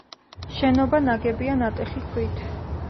შენობა ნაგებია ნატეხი ქვით.